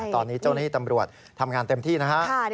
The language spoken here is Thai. ตอนนี้เจ้าหน้าที่ตำรวจทำงานเต็มที่นะฮะ